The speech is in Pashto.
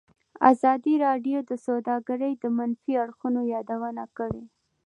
ازادي راډیو د سوداګري د منفي اړخونو یادونه کړې.